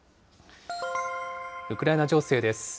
ウクライナ情勢です。